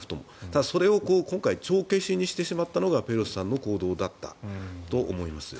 ただ、それを今回帳消しにしてしまったのがペロシさんの行動だと思います。